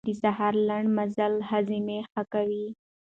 د سهار لنډ مزل هاضمه ښه کوي.